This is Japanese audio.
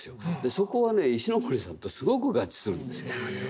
そこはね石森さんとすごく合致するんですよ。